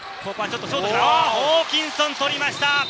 ホーキンソン、取りました。